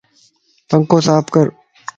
پنکو صاف ڪر